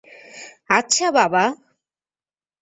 আচ্ছা, বাবা।